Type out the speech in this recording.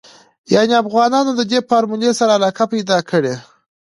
يانې افغانانو ددې فارمولې سره علاقه پيدا کړې.